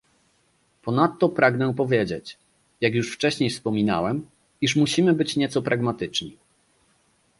Ponadto pragnę powiedzieć - jak już wcześniej wspominałem - iż musimy być nieco pragmatyczni